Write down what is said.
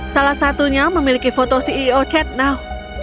salah satunya memiliki foto ceo chatnow